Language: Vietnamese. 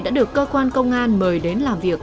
đã được cơ quan công an mời đến làm việc